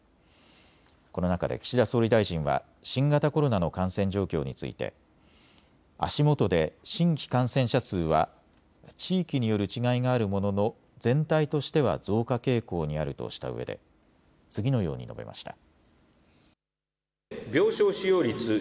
この中で岸田総理大臣は新型コロナの感染状況について足元で新規感染者数は地域による違いがあるものの全体としては増加傾向にあるとしたうえで次のように述べました。